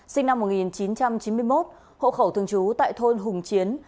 sinh năm một nghìn chín trăm chín mươi một hộ khẩu thường trú tại thôn hùng chiến